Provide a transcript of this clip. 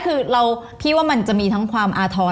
คือพี่ว่ามันจะมีทั้งความอาทร